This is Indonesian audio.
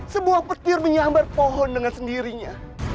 sebuah petir menyambar pohon dengan sendirinya